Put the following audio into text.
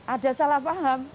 ada salah paham